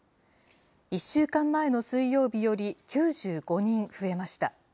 １週間前の水曜日より９５人増えました。